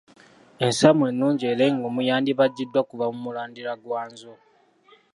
Ensaamu ennungi era eŋŋumu yandibajjiddwa kuva mu mulandira gwa Nzo.